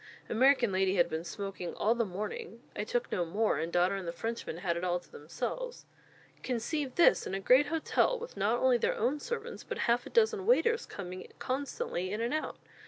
American lady had been smoking all the morning. I took no more; and daughter and the Frenchmen had it all to themselves. Conceive this in a great hotel, with not only their own servants, but half a dozen waiters coming constantly in and out!